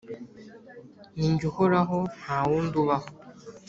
ni jye uhoraho, nta wundi ubaho.